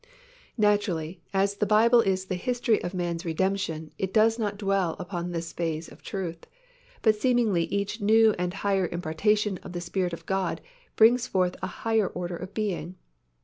Naturally, as the Bible is the history of man's redemption it does not dwell upon this phase of truth, but seemingly each new and higher impartation of the Spirit of God brings forth a higher order of being.